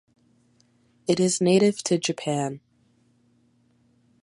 It is native to Japan.